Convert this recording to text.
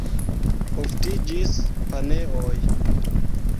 Oftiĝis paneoj.